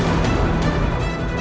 jurus braja dewa